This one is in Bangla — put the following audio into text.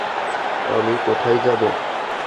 আমি কোথায় যাবো?